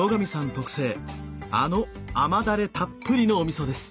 特製あのあまだれたっぷりのおみそです。